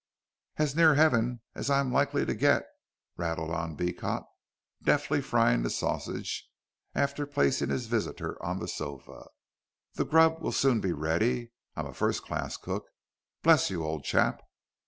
"As near heaven as I am likely to get," rattled on Beecot, deftly frying the sausages, after placing his visitor on the sofa. "The grub will soon be ready. I'm a first class cook, bless you, old chap.